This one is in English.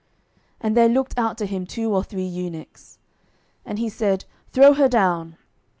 And there looked out to him two or three eunuchs. 12:009:033 And he said, Throw her down.